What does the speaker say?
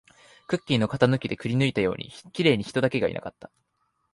クッキーの型抜きでくりぬいたように、綺麗に人だけがいなかった